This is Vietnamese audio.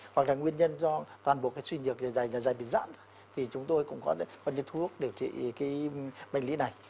hoặc là nguyên nhân do toàn bộ cái suy nhược giả dày giả dày bị rãn thì chúng tôi cũng có những thuốc điều trị cái bệnh lý này